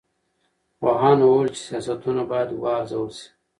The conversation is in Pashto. پوهانو وویل چې سیاستونه باید وارزول سي.